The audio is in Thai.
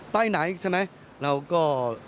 ไปไหนใช่ไหมแล้วก็